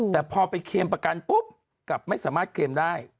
แต่พอไปเคลมประกันปุ๊บกลับไม่สามารถเคลมได้